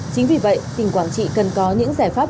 chính vì vậy tỉnh quảng trị cần có những giải pháp